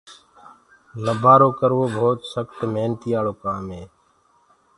لآبآرو ڪروو ڀوت سکت منيآݪو ڪآم هي۔